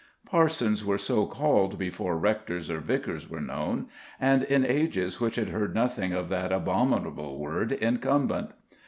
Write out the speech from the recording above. Parsons were so called before rectors or vicars were known, and in ages which had heard nothing of that abominable word incumbent.